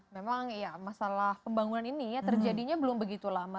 memang ya masalah pembangunan ini ya terjadinya belum begitu lama